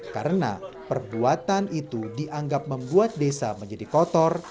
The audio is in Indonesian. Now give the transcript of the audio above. karena perbuatan itu dianggap membuat desa menjadi kotor